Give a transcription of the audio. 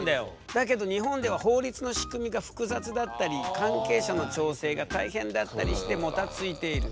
だけど日本では法律の仕組みが複雑だったり関係者の調整が大変だったりしてもたついている。